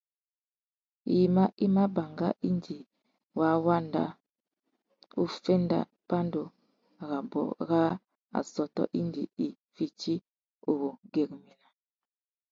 Yïmá i mà banga indi wa wanda uffénda pandú rabú râ assôtô indi i fiti uwú güérémena.